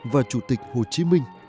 và chủ tịch hồ chí minh